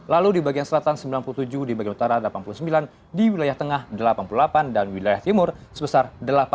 lalu di bagian selatan sembilan puluh tujuh di bagian utara delapan puluh sembilan di wilayah tengah delapan puluh delapan dan wilayah timur sebesar delapan puluh